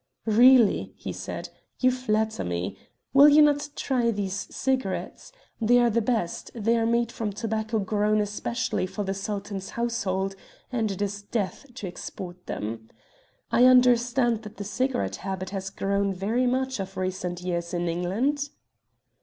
"Really," he said, "you flatter me. Will you not try these cigarettes? They are the best; they are made from tobacco grown especially for the Sultan's household, and it is death to export them. I understand that the cigarette habit has grown very much of recent years in England?"